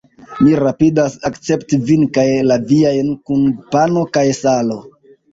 Mi rapidas akcepti vin kaj la viajn kun pano kaj salo!